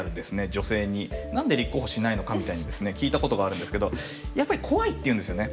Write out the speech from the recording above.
女性に何で立候補しないのかみたいに聞いたことがあるんですけどやっぱり怖いって言うんですよね。